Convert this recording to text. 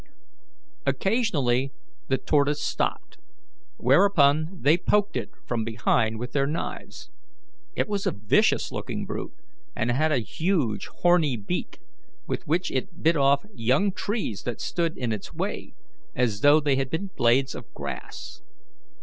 Occasionally the tortoise stopped, whereupon they poked it from behind with their knives. It was a vicious looking brute, and had a huge horny beak, with which it bit off young trees that stood in its way as though they had been blades of grass.